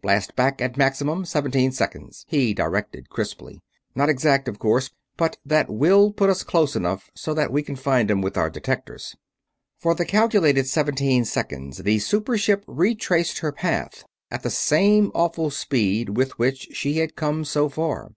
"Back blast, at maximum, seventeen seconds!" he directed crisply. "Not exact, of course, but that will put us close enough so that we can find 'em with our detectors." For the calculated seventeen seconds the super ship retraced her path, at the same awful speed with which she had come so far.